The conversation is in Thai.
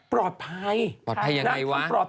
ปลอดภัย